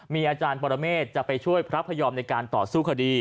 มีอาจารย์ปรเมฆจะไปช่วยพระพยอมในการต่อสู้คดี